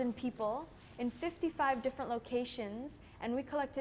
kami mengorganisasi dua belas orang di lima puluh lima lokasi yang berbeda